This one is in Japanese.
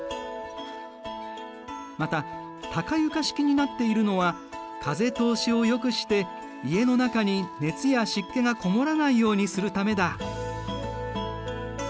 また高床式になっているのは風通しをよくして家の中に熱や湿気が籠もらないようにするためだ。